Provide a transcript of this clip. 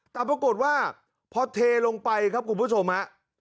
แต่ปรากฏว่าพอเทลงไปครับคุณผู้ชมฮะ